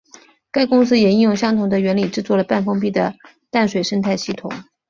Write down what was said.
该公司也应用相同的原理制作了半封闭的淡水生态系统。